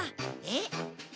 えっ？